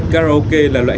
karaoke là loại hiệu quả